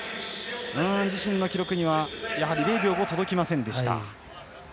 自身の記録には０秒５届きませんでした。